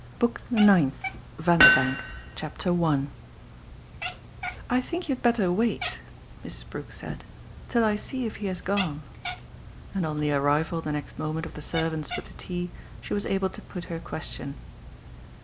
BOOK NINTH. VANDERBANK I "I think you had better wait," Mrs. Brook said, "till I see if he has gone;" and on the arrival the next moment of the servants with the tea she was able to put her question.